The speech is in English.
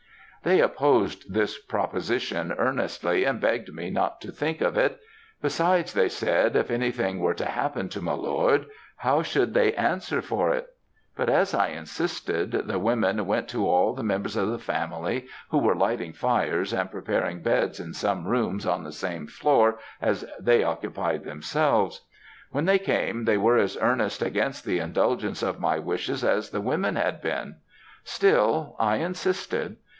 "They opposed this proposition earnestly, and begged me not to think of if; besides, they said if any thing was to happen to my lord, how should they answer for it; but as I insisted, the women went to call the members of the family who were lighting fires and preparing beds in some rooms on the same floor as they occupied themselves. When they came they were as earnest against the indulgence of my wishes as the women had been. Still I insisted.